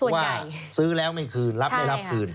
ว่าซื้อแล้วไม่คืนรับไม่รับคืน